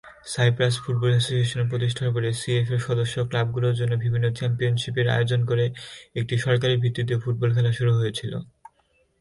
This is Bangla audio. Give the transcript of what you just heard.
সাইপ্রাস ফুটবল অ্যাসোসিয়েশনের প্রতিষ্ঠার পরে সিএফএ-এর সদস্য ক্লাবগুলোর জন্য বিভিন্ন চ্যাম্পিয়নশিপের আয়োজন করে একটি সরকারী ভিত্তিতে ফুটবল খেলা শুরু হয়েছিল।